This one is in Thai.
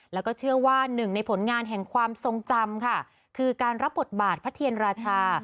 แล้วก็เชื่อว่าหนึ่งในผลงานแห่งความทรงจำค่ะคือการรับบทบาทพระเทียนราชา